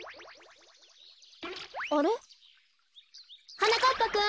あれ？はなかっぱくん！